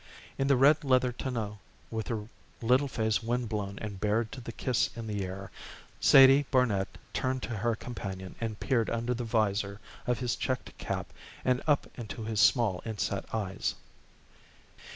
In the red leather tonneau, with her little face wind blown and bared to the kiss in the air, Sadie Barnet turned to her companion and peered under the visor of his checked cap and up into his small inset eyes.